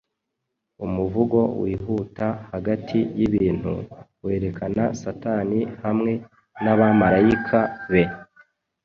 Umuvugo wihuta hagati y'ibintu, werekana Satani hamwe n'abamarayika be